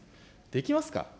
できますか。